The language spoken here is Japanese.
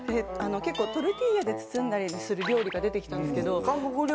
トルティーヤで包んだりする料理が出てきたんです。